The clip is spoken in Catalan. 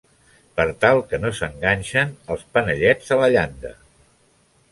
Per tal que no s'enganxen els panellets a la llanda.